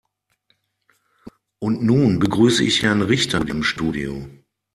Und nun begrüße ich Herrn Richter im Studio.